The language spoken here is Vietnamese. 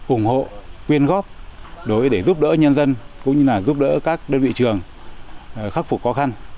ủng hộ quyên góp đối với để giúp đỡ nhân dân cũng như là giúp đỡ các đơn vị trường khắc phục khó khăn